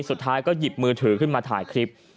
สุดท้ายก็หยิบมือถือขึ้นมาถ่ายคลิป